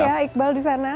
cukup ramai ya iqbal disana